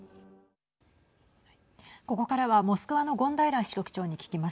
ここからはモスクワの権平支局長に聞きます。